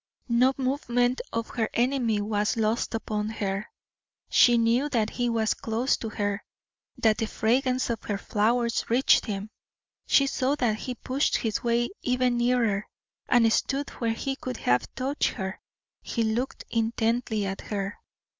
No movement of her enemy was lost upon her. She knew that he was close to her, that the fragrance of her flowers reached him; she saw that he pushed his way even nearer, and stood where he could have touched her. He looked intently at her.